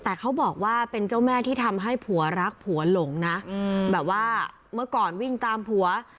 แต่เขาบอกว่าเป็นเจ้าแม่ที่ทำให้ผัวรักผัวหลงนะแบบว่าเมื่อก่อนวิ่งตามผัว